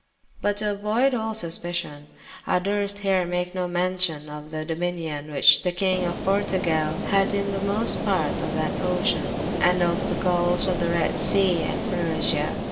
But to auoyde all suspition, I durst here make no mention of the dominion which the Kyng of Portugale had in the most parte of that ocean, and of the gulfes of the Redde Sea and Persia.